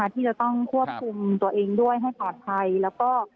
ที่จะต้องควบคุมตัวเองด้วยให้สะพายและก็